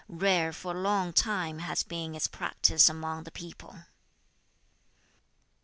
Rare for a long time has been its practise among the people.'